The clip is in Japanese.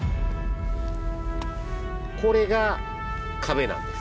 これが壁なんです。